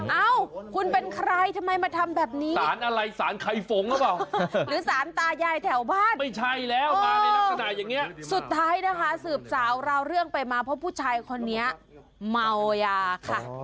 เอ้าคุณเป็นใครทำไมมาทำแบบนี้สารอะไรสารไข่ฝงหรือเปล่าหรือสารตายายแถวบ้านไม่ใช่แล้วมาในลักษณะอย่างนี้สุดท้ายนะคะสืบสาวราวเรื่องไปมาเพราะผู้ชายคนนี้เมายาค่ะ